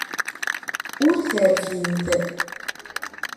Ur terfimt.